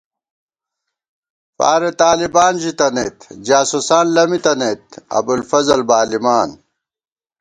فارے طالِبان ژِتنئیت، جاسُوسان لَمی تنئیت، ابوالفضل بالِمان